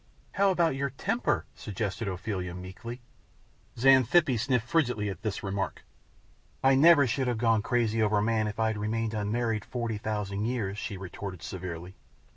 "How about your temper?" suggested Ophelia, meekly. Xanthippe sniffed frigidly at this remark. "I never should have gone crazy over a man if I'd remained unmarried forty thousand years," she retorted, severely.